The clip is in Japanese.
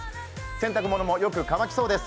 洗濯物もよく乾きそうです。